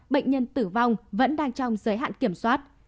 bệnh nhân tử vong vẫn đang trong giới hạn kiểm soát